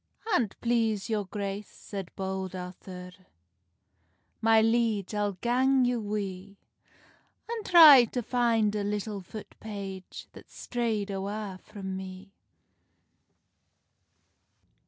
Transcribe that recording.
"An't please your grace," said Bold Arthur, "My liege, I'll gang you wi, An try to fin a little foot page, That's strayd awa frae me."